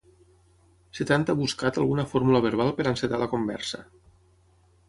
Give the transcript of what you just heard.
Setanta buscat alguna fórmula verbal per encetar la conversa.